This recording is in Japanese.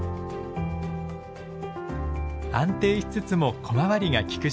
安定しつつも小回りがきく車体。